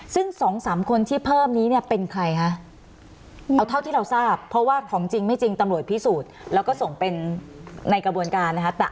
ซึ่ง๒๓คนที่เพิ่มนี้เนี่ยเป็นใครคะเอาเท่าที่เราทราบเพราะว่าของจริงไม่จริงตำรวจพิสูจน์แล้วก็ส่งเป็นในกระบวนการนะคะ